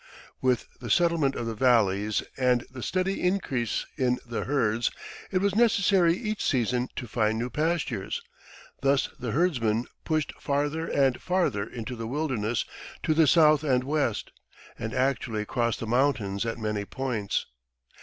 With the settlement of the valleys and the steady increase in the herds, it was necessary each season to find new pastures. Thus the herdsmen pushed farther and farther into the wilderness to the south and west, and actually crossed the mountains at many points.